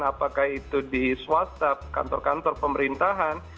apakah itu di swasta kantor kantor pemerintahan